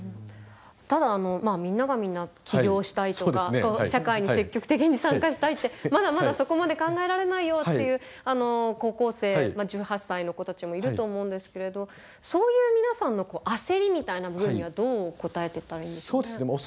ただみんながみんな起業したいとか社会に積極的に参加したいってまだまだそこまで考えられないよっていう高校生１８歳の子たちもいると思うんですけれどそういう皆さんの焦りみたいな部分にはどう答えていったらいいんでしょうね。